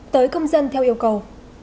tới công dân theo yêu cầu